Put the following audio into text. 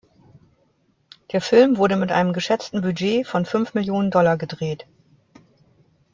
Der Film wurde mit einem geschätzten Budget von fünf Millionen Dollar gedreht.